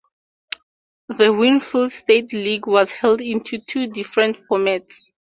The Winfield State League was held in two different formats.